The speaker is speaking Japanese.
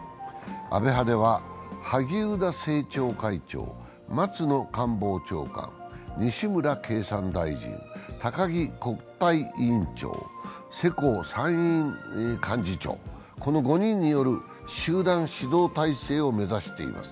安倍派では萩生田政調会長、松野官房長官、西村経産大臣、高木国対委員長、世耕参院幹事長、この５人による集団指導体制を目指しています。